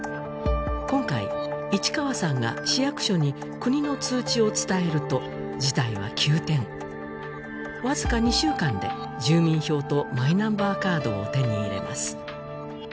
今回市川さんが市役所に国の通知を伝えると事態は急転わずか２週間で住民票とマイナンバーカードを手に入れます